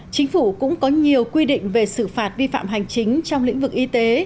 chính phủ cũng có nhiều quy định về xử phạt vi phạm hành chính trong lĩnh vực y tế